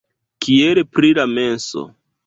Kiel pri la menso?